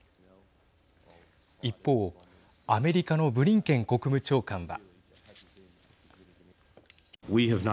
一方、アメリカのブリンケン国務長官は。